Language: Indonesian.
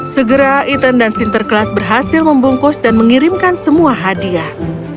segera ethan dan sinterklas berhasil membungkus dan mengirimkan semua hadiah